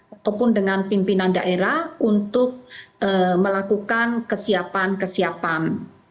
ataupun dengan pimpinan daerah untuk melakukan kesiapan kesiapan